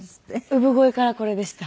産声からこれでした。